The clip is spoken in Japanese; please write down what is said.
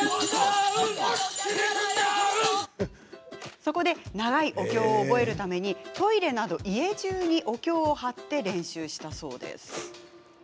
そこで、長いお経を覚えるためトイレなど家じゅうにお経を貼って練習したそうです。